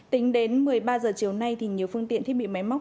tính đến một mươi ba giờ chiều nay thì nhiều phương tiện thiết bị máy móc